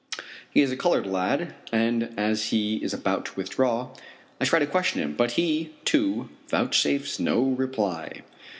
He is a colored lad, and as he is about to withdraw, I try to question him, but he, too, vouchsafes no reply.